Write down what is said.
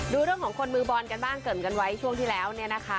ดูเรื่องของคนมือบอลกันบ้างเกิดกันไว้ช่วงที่แล้วเนี่ยนะคะ